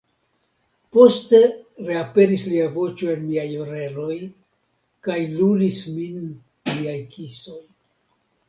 Poste reaperis lia voĉo en miaj oreloj, kaj lulis min liaj kisoj.